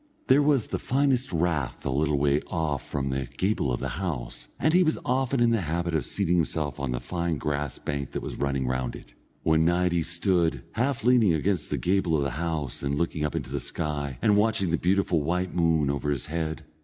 There was the finest rath a little way off from the gable of the house, and he was often in the habit of seating himself on the fine grass bank that was running round it. One night he stood, half leaning against the gable of the house, and looking up into the sky, and watching the beautiful white moon over his head.